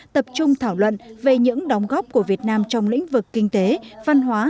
tập trung thảo luận về những đóng góp của việt nam trong lĩnh vực kinh tế văn hóa